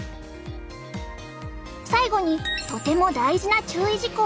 最後にとても大事な注意事項。